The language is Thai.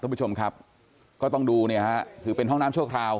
คุณผู้ชมครับก็ต้องดูเนี่ยฮะถือเป็นห้องน้ำชั่วคราว